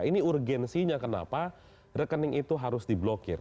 ini urgensinya kenapa rekening itu harus diblokir